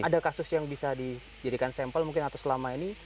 ada kasus yang bisa dijadikan sampel mungkin atau selama ini